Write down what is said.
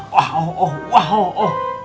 wah oh oh wah oh oh